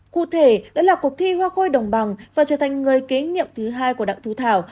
cụ thể đã là cuộc thi hoa khôi đồng bằng và trở thành người kế nghiệm thứ hai của đặng thù thảo